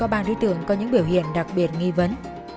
loại dần thì có ba đối tượng có những biểu hiện đặc biệt nghi vấn